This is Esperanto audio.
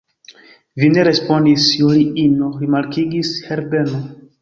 Vi ne respondis, Juliino, rimarkigis Herbeno.